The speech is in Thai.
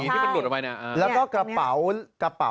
ซี่หวีที่มันหลุดออกไปนะ